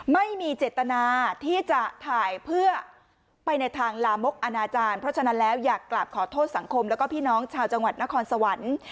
ไม่มีเจตนาที่จะถ่ายเพื่อไปในทางลามกอนาจารย์เพราะฉะนั้นแล้วอยากกลับขอโทษสังคมแล้วก็พี่น้องชาวจังหวัดนครสวรรค์